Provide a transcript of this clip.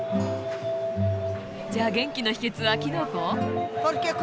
じゃあ元気の秘けつはキノコ？